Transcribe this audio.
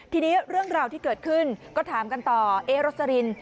ทีนี้เรื่องราวที่เกิดขึ้นก็ถามกันต่อเอ๊โรสลิน